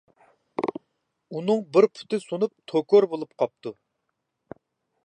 ئۇنىڭ بىر پۇتى سۇنۇپ توكۇرغا بولۇپ قاپتۇ.